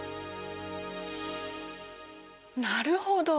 なるほど。